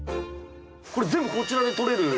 これ全部こちらで取れる？